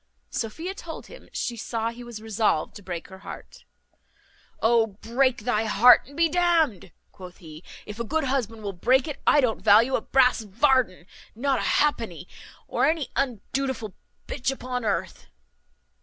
Sophia told him, she saw he was resolved to break her heart. "O break thy heart and be d n'd," quoth he, "if a good husband will break it. I don't value a brass varden, not a halfpenny, of any undutiful b upon earth."